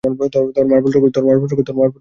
তোর মালপত্র কই?